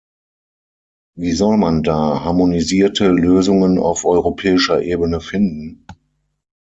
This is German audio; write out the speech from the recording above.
Wie soll man da harmonisierte Lösungen auf europäischer Ebene finden?